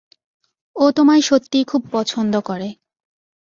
ও তোমায় সত্যিই খুব পছন্দ করে।